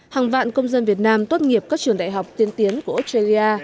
hàng vạn công dân việt nam tốt nghiệp các trường đại học tiên tiến của australia